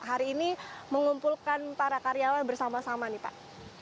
hari ini mengumpulkan para karyawan bersama sama nih pak